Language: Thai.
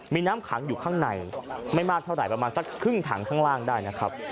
มีน้ำขังอยู่ข้างในไม่มากเท่าไหร่ประมาณสักครึ่งถังข้างล่างได้นะครับ